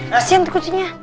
kesian tuh kucingnya